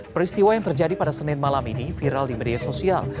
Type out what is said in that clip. peristiwa yang terjadi pada senin malam ini viral di media sosial